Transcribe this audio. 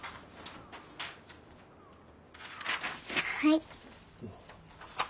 はい。